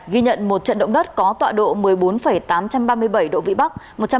ghi nhận một trận động đất có tọa độ một mươi bốn tám trăm ba mươi bảy độ vĩ bắc